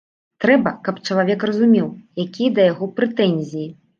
Трэба, каб чалавек разумеў, якія да яго прэтэнзіі.